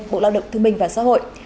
bộ lao động thương minh và xã hội